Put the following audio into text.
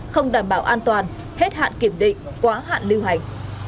không đảm bảo an toàn hết hạn kiểm định quá hạn lưu hành